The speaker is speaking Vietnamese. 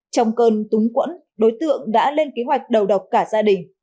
trong cơn túng quẫn đối tượng đã lên kế hoạch đầu độc cả gia đình